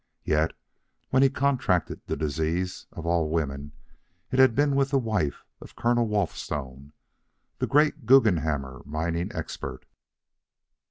Yet, when he contracted the disease, of all women, it had been with the wife of Colonel Walthstone, the great Guggenhammer mining expert.